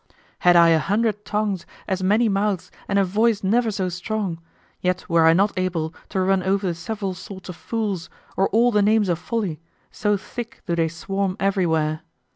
Had I a hundred tongues, as many mouths, and a voice never so strong, yet were I not able to run over the several sorts of fools or all the names of folly, so thick do they swarm everywhere.